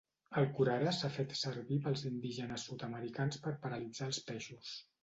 El curare s'ha fet servir pels indígenes sud-americans per paralitzar els peixos.